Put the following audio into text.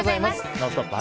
「ノンストップ！」